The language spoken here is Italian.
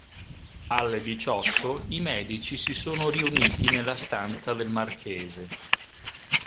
Alle diciotto i medici si sono riuniti nella stanza del marchese.